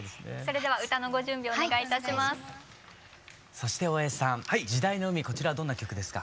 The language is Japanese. そして大江さん「時代の海」こちらどんな曲ですか？